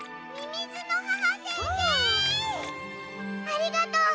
ありがとう。